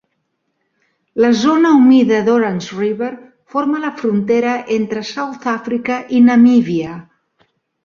La zona humida d'Orange River forma la frontera entre South Africa i Namibia.